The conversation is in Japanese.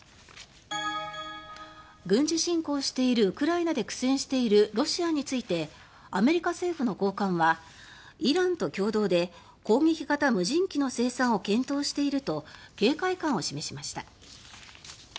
軍事侵攻しているウクライナで苦戦しているロシアについてアメリカ政府の高官はイランと共同で攻撃型無人機の生産を検討していると警戒感を示しました。